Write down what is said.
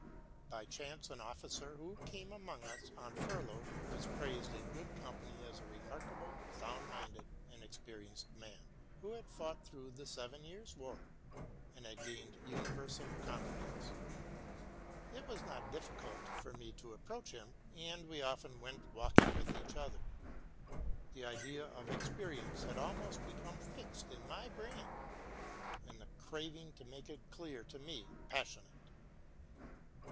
By chance an officer, who came among us on furlough, was praised in good company as a rem: arkable, sound minded, ee experienced man, who had fought through the Seven Year War, and had gained universal confidence. It was not aiff cult for me to approach him, and we often went walking with each other. The idea of experience had almost become fixed in my brain, and the craving to make it clear to me passionate.